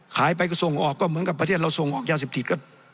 ขายไปก็ส่งออกก็เหมือนกับประเทศเราส่งออกยาเสพติดก็